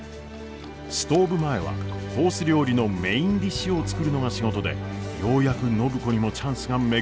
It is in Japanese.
ストーブ前はコース料理のメインディッシュを作るのが仕事でようやく暢子にもチャンスが巡ってきたのです。